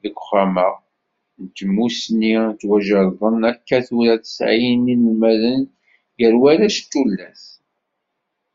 Deg Uxxam-a n Tmussni, ttwajerrden akka tura tesɛin n yinelmaden, gar warrac d tullas.